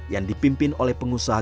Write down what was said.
yang dipimpin oleh pengusaha